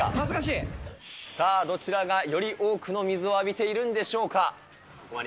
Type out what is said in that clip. さあ、どちらが、より多くの水を浴びているんでしょうか？